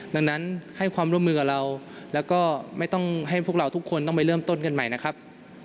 ดังนั้นให้ความร่วมมือกับเราแล้วก็ไม่ต้องให้พวกเราทุกคนต้องไปเริ่มต้นกันใหม่นะครับ